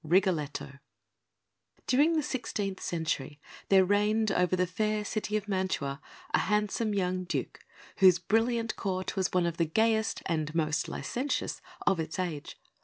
RIGOLETTO During the sixteenth century there reigned over the fair city of Mantua a handsome young Duke, whose brilliant Court was one of the gayest and most licentious of its age.